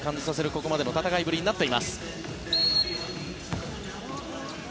ここまでの戦いぶりになっています。